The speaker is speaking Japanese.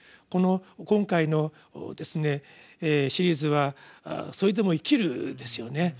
この今回のシリーズは「それでも生きる」ですよね。